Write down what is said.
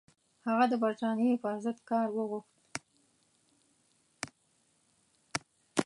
هغه د برټانیې پر ضد کار وغوښت.